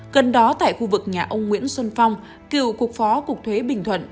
gần đó tại khu vực nhà ông nguyễn xuân phong cựu cục phó cục thuế bình thuận